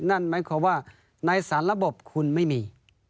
นั่นหมายความว่าในสารระบบคุณไม่มี